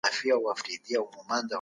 خپل دلایل د منطق په تله کي وتلئ.